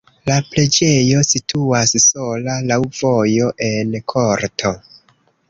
La preĝejo situas sola laŭ vojo en korto.